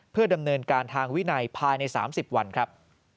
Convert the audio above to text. เพื่อดำเนินการทางวินัยภายใน๓๐วันครับ